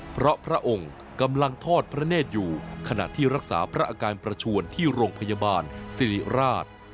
เพราะพระองค์กำลังทอดพระเนธอยู่ขณะที่รักษาพระอาการประชวนที่โรงพยาบาลสิริราช